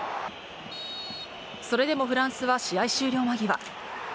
それでもフランスは試合終了間際。